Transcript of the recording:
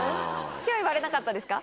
今日は言われなかったですか？